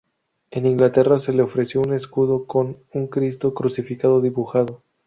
En Inglaterra se le ofreció un escudo con un Cristo crucificado dibujado.